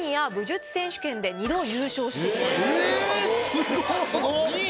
すごっ。